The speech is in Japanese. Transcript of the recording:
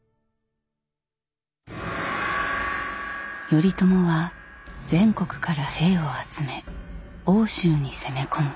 頼朝は全国から兵を集め奥州に攻め込む。